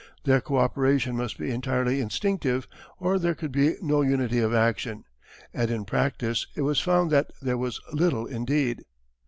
Their co operation must be entirely instinctive or there could be no unity of action and in practice it was found that there was little indeed.